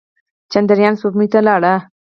چندریان سپوږمۍ ته لاړ.